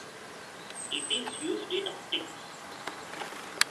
It is used in optics.